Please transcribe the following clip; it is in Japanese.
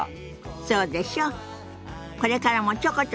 そうでしょ？